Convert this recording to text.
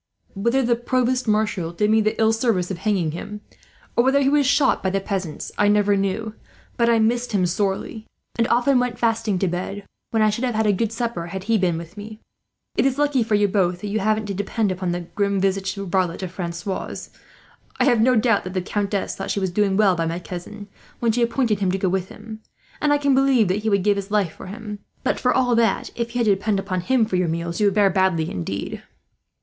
Whether a provost marshal did me the ill service of hanging him, or whether he was shot by the peasants, I never knew; but I missed him sorely, and often went fasting to bed, when I should have had a good supper had he been with me. "It is lucky for you both that you haven't to depend upon that grim visaged varlet of Francois'. I have no doubt that the countess thought she was doing well by my cousin, when she appointed him to go with him, and I can believe that he would give his life for him; but for all that, if you had to depend upon him for your meals, you would fare badly, indeed."